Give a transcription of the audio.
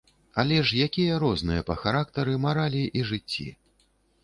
Але ж якія розныя па характары, маралі і жыцці.